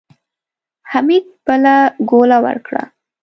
حميد بله ګوله وکړه.